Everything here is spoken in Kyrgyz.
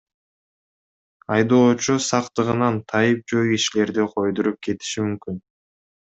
Айдоочу сактыгынан тайып жөө кишилерди койдуруп кетиши мүмкүн.